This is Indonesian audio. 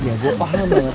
ya gue paham banget